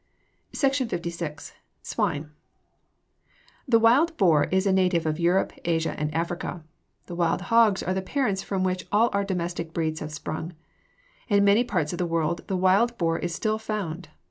SECTION LVI. SWINE The wild boar is a native of Europe, Asia, and Africa. The wild hogs are the parents from which all our domestic breeds have sprung. In many parts of the world the wild boar is still found.